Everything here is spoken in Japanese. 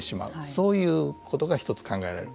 そういうことが１つ考えられる。